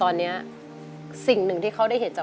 นี่ไงนะ